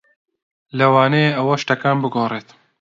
لەوانەیە ئەوە شتەکان بگۆڕێت.